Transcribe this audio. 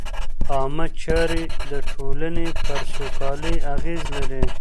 عامه چارې د ټولنې پر سوکالۍ اغېز لري.